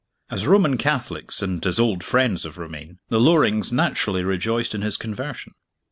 As Roman Catholics, and as old friends of Romayne, the Lorings naturally rejoiced in his conversion.